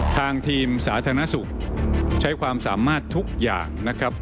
ทางทีมสาธารณสุขใช้ความสามารถทุกอย่างนะครับ